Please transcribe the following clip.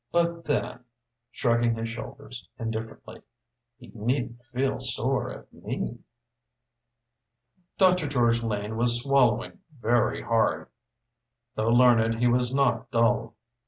But then," shrugging his shoulders indifferently "he needn't feel sore at me." Dr. George Lane was swallowing very hard. Though learned, he was not dull.